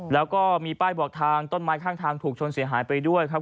แล้วก็มีป้ายบอกทางต้นไม้ข้างทางถูกชนเสียหายไปด้วยครับ